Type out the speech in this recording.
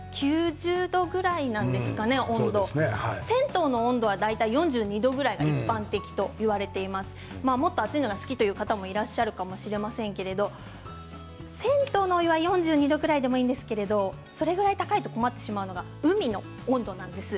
銭湯の温度は４２度くらいが一般的だと言われていますがもっと熱いのが好きという方もいらっしゃるかもしれませんが銭湯のお湯は４２度ぐらいでもいいんですが、それぐらい高いと困ってしまうのが海の温度なんです。